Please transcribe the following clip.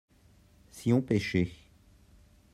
si on pêchait.